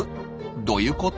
どういうこと？